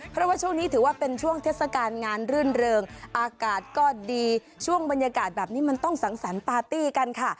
เพราะว่าช่วงนี้ถือว่าเป็นช่วงเทศกาลงานรื่นเริงอากาศก็ดีช่วงบรรยากาศแบบนี้มันต้องสังสรรค์ปาร์ตี้กันค่ะ